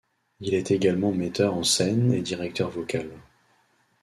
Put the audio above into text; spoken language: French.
Il est également metteur en scène et directeur vocal.